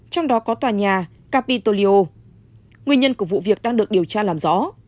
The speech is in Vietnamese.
trong đó có tòa nhà capitolyo nguyên nhân của vụ việc đang được điều tra làm rõ